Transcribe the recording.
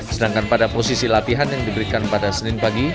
sedangkan pada posisi latihan yang diberikan pada senin pagi